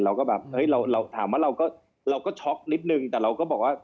เราก็แบบเฮ้ยเราถามว่าเราก็ช็อกนิดนึงแต่เราก็บอกว่า